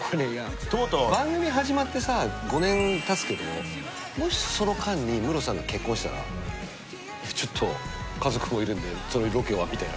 番組始まってさ５年たつけどもしその間にムロさんが結婚したら「ちょっと家族もいるんでそのロケは」みたいな。